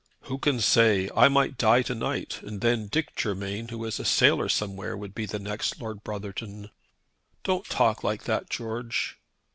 "Who can say? I might die to night, and then Dick Germain, who is a sailor somewhere, would be the next Lord Brotherton." "Don't talk like that, George."